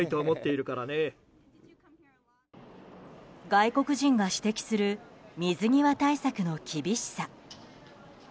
外国人が指摘する水際対策の厳しさ。